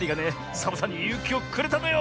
サボさんにゆうきをくれたのよ。